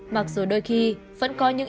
mặc dù đôi khi vẫn có những